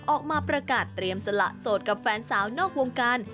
ออกมาประกาศเตรียมสละโสดกับแฟนสาวนอกวงการ